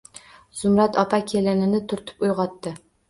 Zumrad opa kelinini turtib uyg`otdi